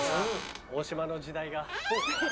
大島の時代が。